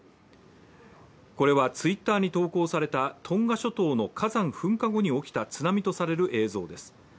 これはＴｗｉｔｔｅｒに投稿されたトンガ諸島の火山噴火後に起きた津波とされる映像です。